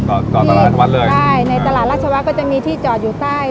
จอดจอดตลาดวัดเลยใช่ในตลาดราชวะก็จะมีที่จอดอยู่ใต้